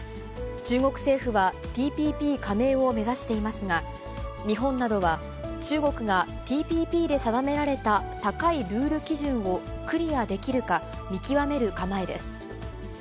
中国政府は、ＴＰＰ加盟を目指していますが、日本などは、中国がＴＰＰで定められた高いルール基準をクリアできるか、見極める構えです。